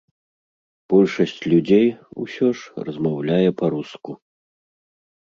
Большасць людзей, усё ж, размаўляе па-руску.